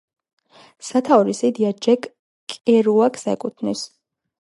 სათაურის იდეა ჯეკ კერუაკს ეკუთვნის.